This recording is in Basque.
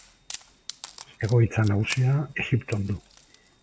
Egoitza nagusia Egipton du.